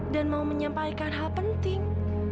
dan mau menyampaikan hal penting